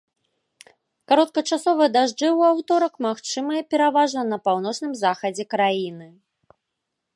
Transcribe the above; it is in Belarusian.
Кароткачасовыя дажджы ў аўторак магчымыя пераважна на паўночным захадзе краіны.